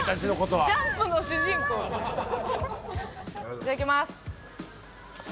いただきます。